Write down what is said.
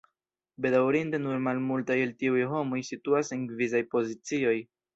Bedaŭrinde nur malmultaj el tiuj homoj situas en gvidaj pozicioj.